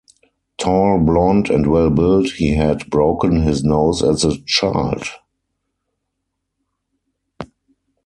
Tall, blonde and well-built, he had broken his nose as a child.